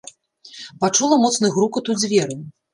Пачула моцны грукат у дзверы.